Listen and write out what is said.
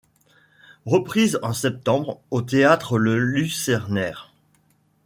Reprise en septembre au Théâtre Le Lucernaire.